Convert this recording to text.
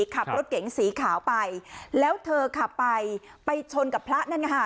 ขับรถเก๋งสีขาวไปแล้วเธอขับไปไปชนกับพระนั่นนะคะ